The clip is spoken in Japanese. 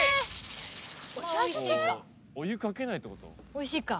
おいしいか。